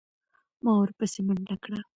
ما ورپسې منډه کړه.